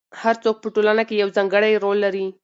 هر څوک په ټولنه کې یو ځانګړی رول لري.